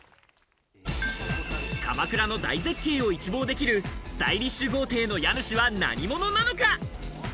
鎌倉の大絶景を一望できるスタイリッシュ豪邸の家主は何者なのか？